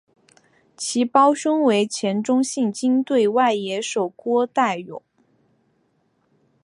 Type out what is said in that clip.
其胞兄为前中信鲸队外野手郭岱咏。